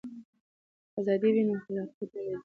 که ازادي وي نو خلاقیت نه بنديږي.